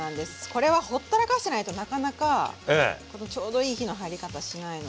これはほったらかしてないとなかなかこのちょうどいい火の入り方しないので。